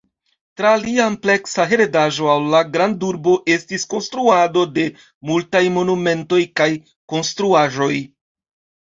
Tra lia ampleksa heredaĵo al la grandurbo estis konstruado de multaj monumentoj kaj konstruaĵoj.